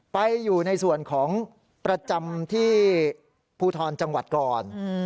ไปอยู่ในส่วนของประจำที่ภูทรจังหวัดก่อน